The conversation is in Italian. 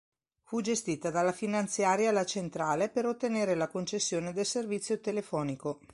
Fu gestita dalla finanziaria "La Centrale" per ottenere la concessione del servizio telefonico.